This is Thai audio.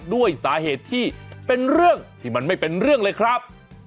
ด้วยสาเหตุที่เป็นเรื่องที่มันไม่เป็นเรื่องเลยครับ